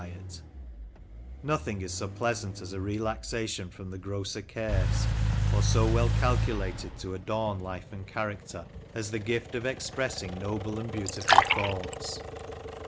13 by it Nothing is so pleasant as a relaxation from the grosser cares, or so well calculated to adorn life and character, as the gift of expressing noble and beautiful thoughts.